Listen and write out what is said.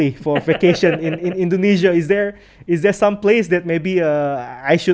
apakah ada tempat yang mungkin saya juga harus melihat